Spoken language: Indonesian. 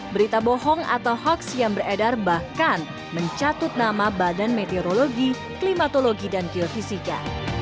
berita bohong atau hoaks yang beredar bahkan mencatut nama badan meteorologi klimatologi dan geofisika